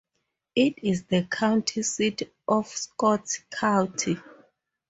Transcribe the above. It is the county seat of Scott County.